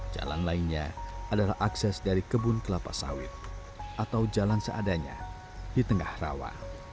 jalan lainnya adalah akses dari kebun kelapa sawit atau jalan seadanya di tengah rawa